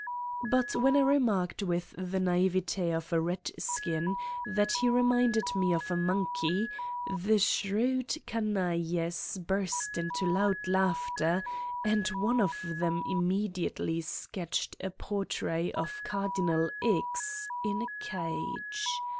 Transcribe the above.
. But when I remarked with the naivete of a Ked skin that he reminded me of a monkey, the shrewd canailes burst into loud laughter and one of them immediately sketched a portrait of Cardinal X. in a cage.